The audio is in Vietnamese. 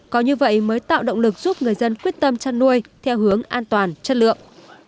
có như vậy mới tạo động lực giúp người dân quyết tâm chăn nuôi theo hướng an toàn chất lượng